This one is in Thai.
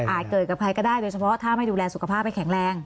เกิดกับใครก็ได้โดยเฉพาะถ้าไม่ดูแลสุขภาพให้แข็งแรง